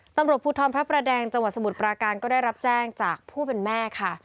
ตำรวจภูทรพระประแดงจังหวัดสมุทรปราการก็ได้รับแจ้งจากผู้เป็นแม่ค่ะ